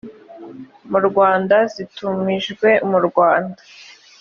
mu rwanda zitumijwe mu rwanda